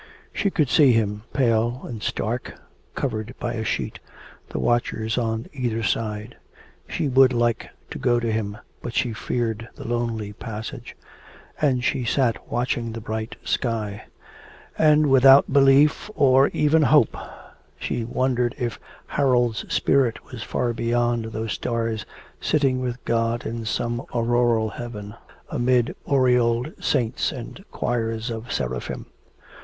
She could see him pale and stark, covered by a sheet, the watchers on either side. She would like to go to him, but she feared the lonely passage. And she sat watching the bright sky; and, without belief or even hope, she wondered if Harold's spirit were far beyond those stars sitting with God in some auroral heaven amid aureoled saints and choirs of seraphim.